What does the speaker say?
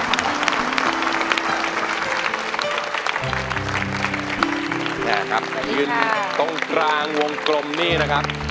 แม่ครับข้างนี้ค่ะข้างยืนตรงกลางวงกลมนี่นะครับ